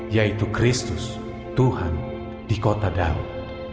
yaitu kristus tuhan di kota danau